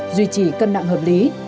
duy trì cân nặng hợp lý